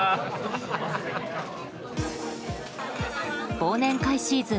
忘年会シーズン